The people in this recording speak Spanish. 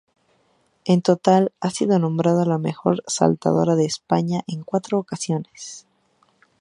En total ha sido nombrada mejor saltadora de España en cuatro ocasiones.